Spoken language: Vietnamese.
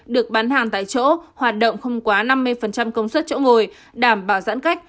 được bán hàng tại chỗ hoạt động không quá năm mươi công suất chỗ ngồi đảm bảo giãn cách